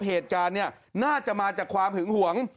เหตุการณ์เนี่ยน่าจะมาจากความหึงหวง